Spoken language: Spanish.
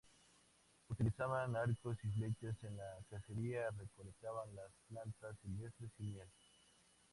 Utilizaban arcos y flechas en la cacería, recolectaban las plantas silvestres y miel.